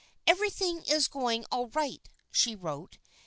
" Everything is going all right," she wrote.